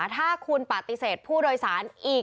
ถ้าคุณปฏิเสธผู้โดยสารอีก